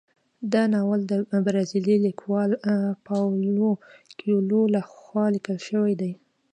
دا ناول د برازیلي لیکوال پاولو کویلیو لخوا لیکل شوی دی.